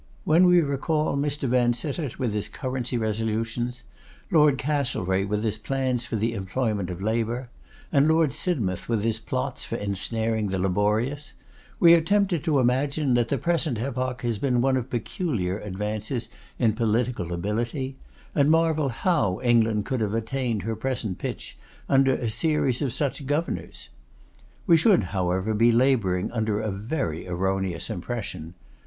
When we recall Mr. Vansittart with his currency resolutions; Lord Castlereagh with his plans for the employment of labour; and Lord Sidmouth with his plots for ensnaring the laborious; we are tempted to imagine that the present epoch has been one of peculiar advances in political ability, and marvel how England could have attained her present pitch under a series of such governors. We should, however, be labouring under a very erroneous impression.